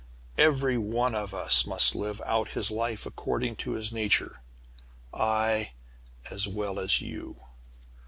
Every one of us must live out his life, according to his nature. I, as well as you!